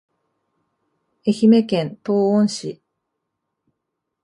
愛媛県東温市